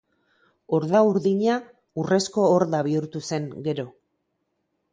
Horda Urdina Urrezko Horda bihurtu zen, gero.